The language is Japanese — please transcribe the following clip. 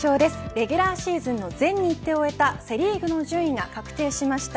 レギュラーシーズンの全日程を終えたセ・リーグの順位が確定しました。